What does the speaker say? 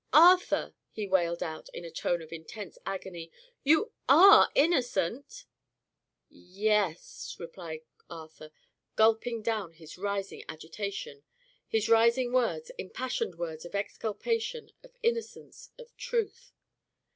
"Arthur!" he wailed out, in a tone of intense agony, "you are innocent?" "Y es," replied Arthur, gulping down his rising agitation; his rising words impassioned words of exculpation, of innocence, of truth.